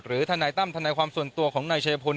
หรือท่านนายตั้มท่านนายความส่วนตัวของนายชายพล